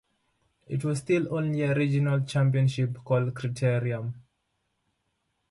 It was still only a regional championship called "Criterium".